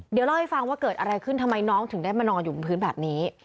เดี๋ยวเล่าให้ฟังว่าเกิดอะไรขึ้นทำไมน้องถึงได้มานอนอยู่บนพื้นแบบนี้